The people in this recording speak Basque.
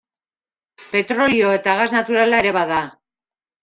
Petrolio eta gas naturala ere bada.